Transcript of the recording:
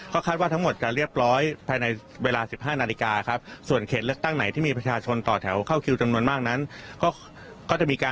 ก็คาดว่าทั้งหมดจะเรียบร้อยภายในเวลา๑๕นาฬิกา